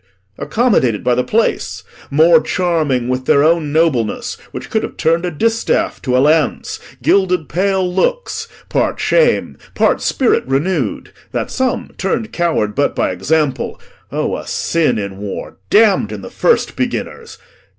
Accommodated by the place, more charming With their own nobleness, which could have turn'd A distaff to a lance, gilded pale looks, Part shame, part spirit renew'd; that some turn'd coward But by example O, a sin in war Damn'd in the first beginners!